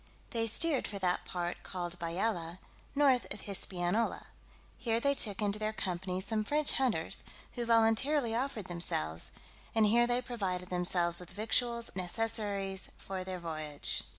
They steered for that part called Bayala, north of Hispaniola: here they took into their company some French hunters, who voluntarily offered themselves, and here they provided themselves with victuals and necessaries for their voyage.